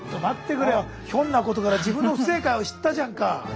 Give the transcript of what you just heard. ひょんなことから自分の不正解を知ったじゃんか。